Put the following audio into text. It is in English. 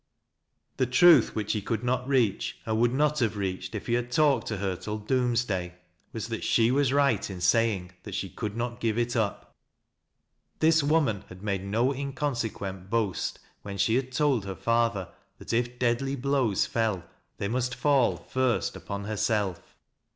The truth which he could not reach, and would no! have reached if he had talked to her till doomsday, wae that she was right in saying that she could not give it up. This woman had made no inconsequent boast when she told her father that if deadly blows fell, they must fall first upon herself.